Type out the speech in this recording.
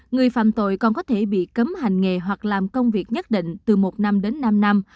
người phạm tội còn có thể bị cấm hành nghề hoặc làm công việc nhất định từ một năm đến năm năm